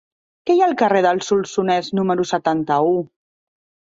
Què hi ha al carrer del Solsonès número setanta-u?